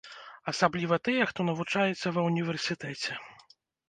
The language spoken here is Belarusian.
Асабліва тыя, хто навучаецца ва ўніверсітэце.